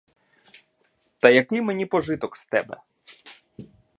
Та який мені пожиток з тебе?